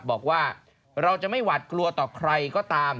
บอกว่าเราจะไม่หวัดกลัวต่อใครก็ตาม